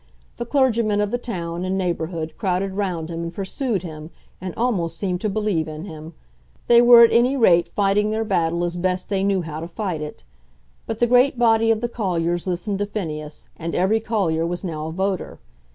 The clergymen of the town and neighbourhood crowded round him and pursued him, and almost seemed to believe in him. They were at any rate fighting their battle as best they knew how to fight it. But the great body of the colliers listened to Phineas, and every collier was now a voter.